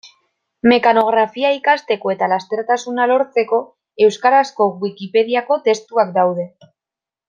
Mekanografia ikasteko eta lastertasuna lortzeko euskarazko Wikipediako testuak daude.